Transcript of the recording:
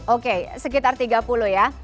oke sekitar tiga puluh ya